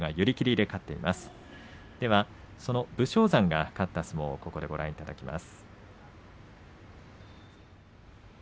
ではその武将山が勝った相撲をご覧いただきます。